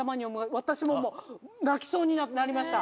私ももう泣きそうになりました。